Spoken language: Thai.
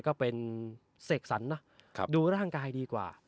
ก็เป็นเสกสรรนะดูร่างกายดีกว่า